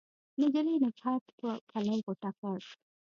نجلۍ نګهت په پلو غوټه کړ